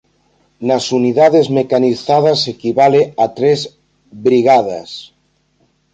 Nas unidades mecanizadas equivale a tres brigadas.